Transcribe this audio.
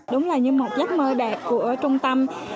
đúng là như một giấc mơ đẹp của trung tâm